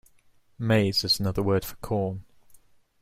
Maize is another word for corn